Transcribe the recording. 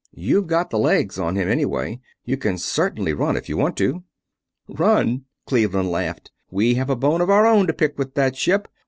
You've got the legs on him, anyway you can certainly run if you want to!" "Run?" Cleveland laughed. "We have a bone of our own to pick with that ship.